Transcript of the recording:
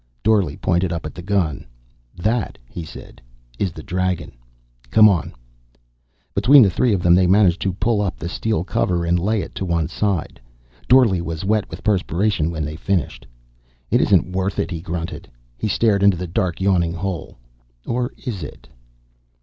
Dorle pointed up at the gun. "That," he said, "is the dragon. Come on." Between the three of them they managed to pull up the steel cover and lay it to one side. Dorle was wet with perspiration when they finished. "It isn't worth it," he grunted. He stared into the dark yawning hole. "Or is it?"